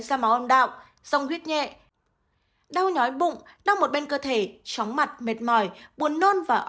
da máu âm đạo rong huyết nhẹ đau nhói bụng đau một bên cơ thể chóng mặt mệt mỏi buồn nôn và